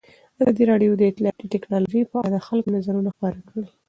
ازادي راډیو د اطلاعاتی تکنالوژي په اړه د خلکو نظرونه خپاره کړي.